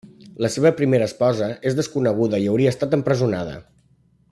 La seva primera esposa és desconeguda i hauria estat empresonada.